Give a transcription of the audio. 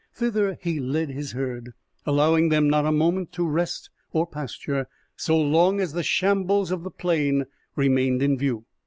Thither he led his herd, allowing them not a moment to rest or pasture so long as the shambles of the plain remained in view.